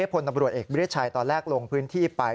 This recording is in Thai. พปฏรเอกเบียดชัยตอนแรกลงพื้นที่ไป